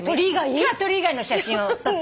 今日は鳥以外の写真を撮ってきた。